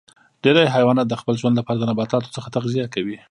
ډیری حیوانات د خپل ژوند لپاره د نباتاتو څخه تغذیه کوي